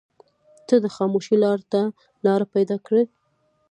• ته د خاموشۍ زړه ته لاره پیدا کړې.